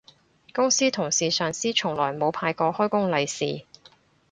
公司同事上司從來冇派過開工利是